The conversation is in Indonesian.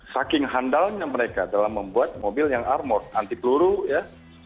saking handalnya mereka dalam membuat mobil yang armort anti peluru ya